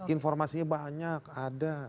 informasinya banyak ada